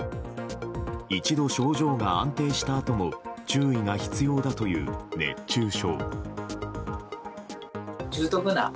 一度、症状が安定したあとも注意が必要だという熱中症。